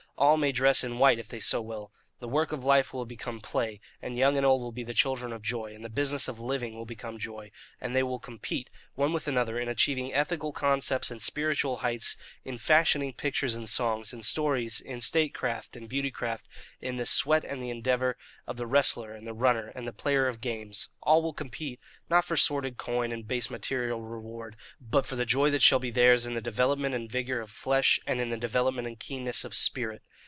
All may dress in white if they so will. The work of life will have become play and young and old will be the children of joy, and the business of living will become joy; and they will compete, one with another, in achieving ethical concepts and spiritual heights, in fashioning pictures and songs, and stories, in statecraft and beauty craft, in the sweat and the endeavour of the wrestler and the runner and the player of games all will compete, not for sordid coin and base material reward, but for the joy that shall be theirs in the development and vigour of flesh and in the development and keenness of spirit.